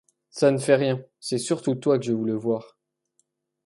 Ça ne fait rien, c’est surtout toi que je voulais voir.